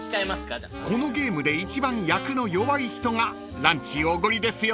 ［このゲームで一番役の弱い人がランチおごりですよ］